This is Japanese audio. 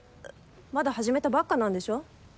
まだ始めたばっかなんでしょ？